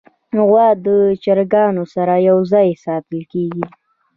غوا د چرګانو سره یو ځای ساتل کېږي.